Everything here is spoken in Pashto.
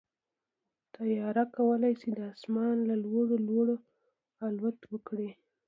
طیاره کولی شي د اسمان له لوړو لوړ الوت وکړي.